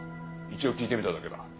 一応聞いてみただけだ。